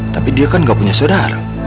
tapi dia kan gak punya saudara